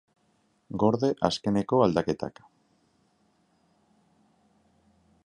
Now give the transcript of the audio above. Gorde azkeneko aldaketak.